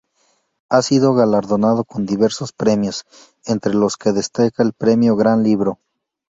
Ha sido galardonado con diversos premios, entre los que destaca el Premio Gran Libro.